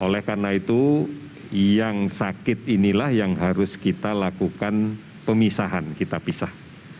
oleh karena itu yang sakit inilah yang harus kita lakukan pemisahan kita pisah